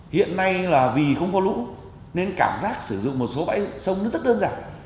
hiện nay là vì không có lũ nên cảm giác sử dụng một số bãi sông rất đơn giản